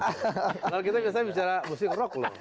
kalau kita biasanya bicara musik rock loh